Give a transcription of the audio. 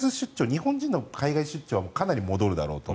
日本人の海外出張はかなり戻るだろうと。